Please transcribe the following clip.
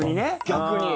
逆に。